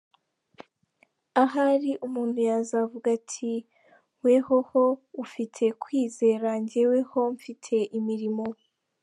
Ahari umuntu yazavuga ati: “wehoho ufite kwizera, jyeweho mfite imirimo.